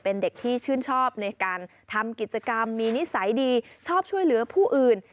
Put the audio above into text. เป็นเด็กที่ชื่นชอบในการทำกิจกรรมมีนิสัยดีชอบช่วยเหลือผู้อื่น